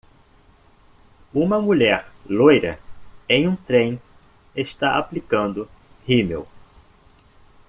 Uma mulher loira em um trem está aplicando rímel.